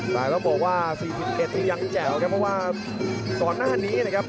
แต่ต้องบอกว่า๔๑นี่ยังแจ่วครับเพราะว่าก่อนหน้านี้นะครับ